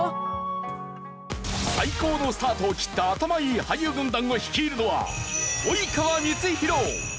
最高のスタートを切ったアタマいい俳優軍団を率いるのは及川光博！